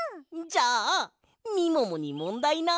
じゃあみももにもんだいな。